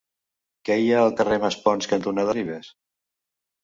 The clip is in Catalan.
Què hi ha al carrer Maspons cantonada Ribes?